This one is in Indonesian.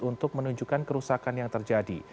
untuk menunjukkan kerusakan yang terjadi